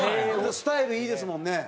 スタイルいいですもんね。